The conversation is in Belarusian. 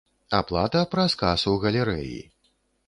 Аплата праз касу галерэі.